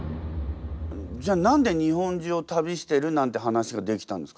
じゃあ何で日本中を旅してるなんて話ができたんですかね？